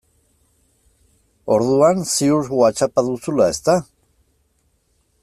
Orduan ziur Whatsapp-a duzula, ezta?